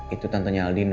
itu tantenya aldino